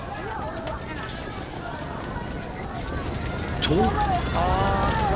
［と］